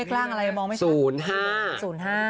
เลขร่างอะไรเยอะมาก